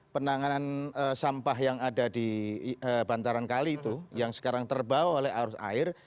penanganan sampah yang ada di bantaran kali itu yang sekarang terbawa oleh arus air